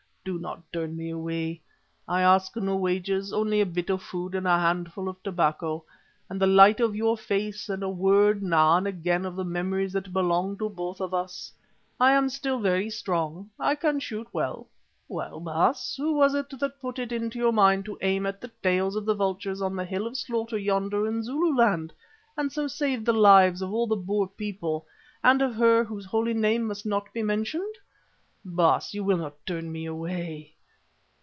Do not turn me away. I ask no wages, only a bit of food and a handful of tobacco, and the light of your face and a word now and again of the memories that belong to both of us. I am still very strong. I can shoot well well, Baas, who was it that put it into your mind to aim at the tails of the vultures on the Hill of Slaughter yonder in Zululand, and so saved the lives of all the Boer people, and of her whose holy name must not be mentioned? Baas, you will not turn me away?"